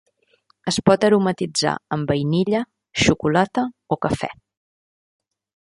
Es pot aromatitzar amb vainilla, xocolata o Cafè.